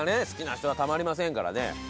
好きな人はたまりませんからね。